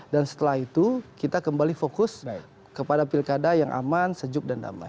setelah itu kita kembali fokus kepada pilkada yang aman sejuk dan damai